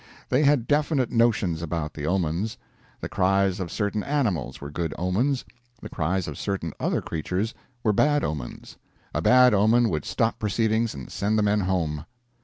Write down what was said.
They had definite notions about the omens. The cries of certain animals were good omens, the cries of certain other creatures were bad omens. A bad omen would stop proceedings and send the men home.